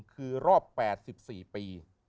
คือรอบ๘๔ปี